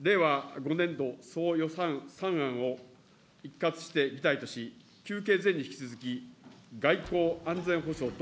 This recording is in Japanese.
令和５年度総予算３案を一括して議題とし、休憩前に引き続き、外交・安全保障等。